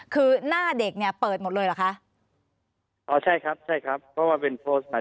คือหน้าเด็กเนี่ยเปิดหมดเลยเหรอคะ